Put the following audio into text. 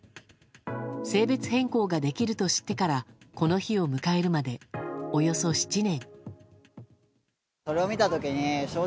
性別変更ができると知ってからこの日を迎えるまで、およそ７年。